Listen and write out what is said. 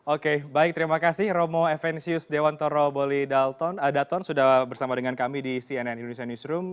oke baik terima kasih romo evensius dewantoro boli daton sudah bersama dengan kami di cnn indonesia newsroom